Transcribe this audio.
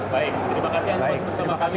baik terima kasih